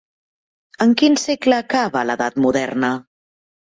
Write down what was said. En quin segle acaba l'edat moderna?